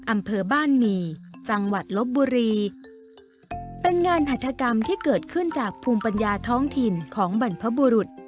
อำเภอบ้านหมี่จังหวัดลบบุรีเป็นงานหัฐกรรมที่เกิดขึ้นจากภูมิปัญญาท้องถิ่นของบรรพบุรุษ